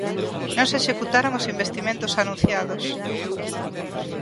Non se executaron os investimentos anunciados.